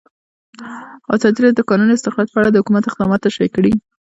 ازادي راډیو د د کانونو استخراج په اړه د حکومت اقدامات تشریح کړي.